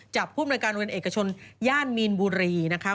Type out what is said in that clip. จับผู้บริการโรงเรียนเอกชนย่านมีนบุรีนะคะ